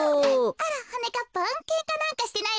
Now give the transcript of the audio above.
あらはなかっぱんけんかなんかしてないわよ。